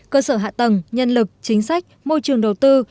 cơ sở hạ tầng nhân lực chính sách môi trường đầu tư